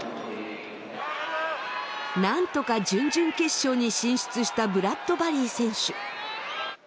なんとか準々決勝に進出したブラッドバリー選手。